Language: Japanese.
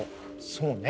そうね。